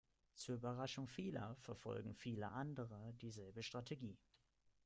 Zur Überraschung vieler verfolgen viele andere dieselbe Strategie.